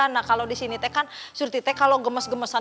nah kalau disini kan surty the kalau gemes gemesan